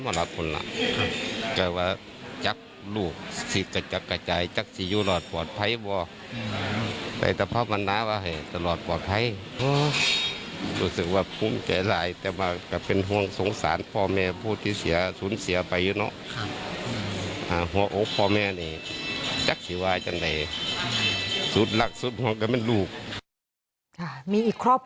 มีอีกครอบครัวหนึ่งนะครับ